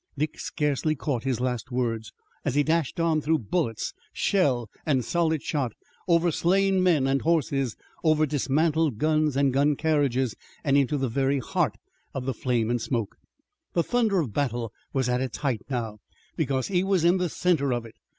Dick scarcely caught his last words, as he dashed on through bullets, shell and solid shot over slain men and horses, over dismantled guns and gun carriages, and into the very heart of the flame and smoke. The thunder of the battle was at its height now, because he was in the center of it.